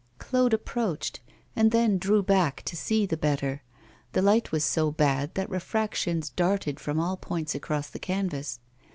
Claude approached, and then drew back to see the better. The light was so bad that refractions darted from all points across the canvas.